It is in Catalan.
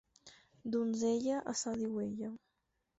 Donzella... això diu ella.